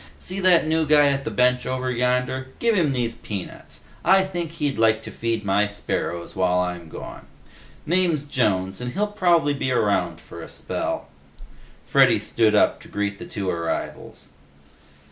"See that new guy at the bench over yonder? Give him these peanuts. I think he'd like to feed my sparrows while I'm gone. Name's Jones, and he'll probably be around for a spell." Freddy stood up to greet the two arrivals.